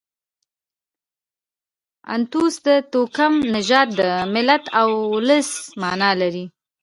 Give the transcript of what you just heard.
انتوس د توکم، نژاد، د ملت او اولس مانا لري.